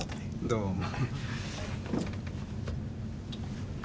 どうも。